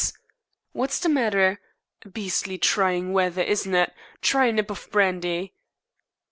What's the matter? Beastly trying weather, isn't it? Try a nip of brandy."